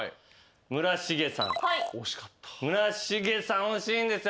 村重さん惜しいんですよ。